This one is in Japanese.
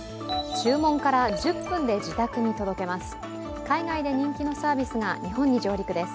注文から１０分で自宅に届けます。